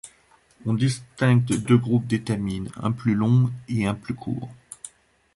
On distingue deux groupes d’étamines, un plus long et un plus court.